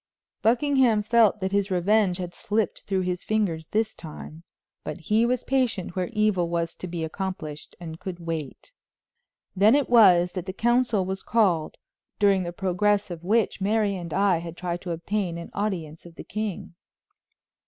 Buckingham felt that his revenge had slipped through his fingers this time, but he was patient where evil was to be accomplished, and could wait. Then it was that the council was called during the progress of which Mary and I had tried to obtain an audience of the king.